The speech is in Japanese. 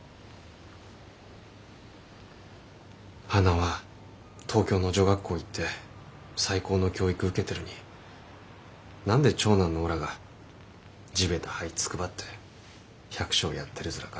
「はなは東京の女学校行って最高の教育受けてるに何で長男のおらが地べたはいつくばって百姓やってるずらか」